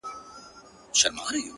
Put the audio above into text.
• بس تیندکونه خورمه ,